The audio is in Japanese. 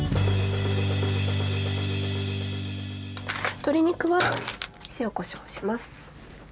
鶏肉は塩・こしょうします。